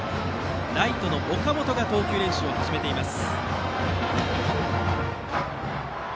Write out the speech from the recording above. ライトの岡本が投球練習を始めています。